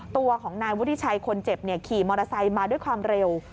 ตัวของนายวุฒิชัยคนเจ็บขี่มอเตอร์ไซค์มาด้วยความเร็ว